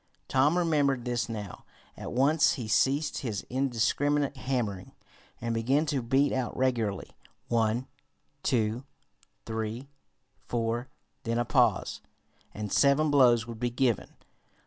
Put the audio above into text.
Tom remembered this now. At once he ceased his indiscriminate hammering, and began to beat out regularly one, two, three, four then a pause, and seven blows would be given.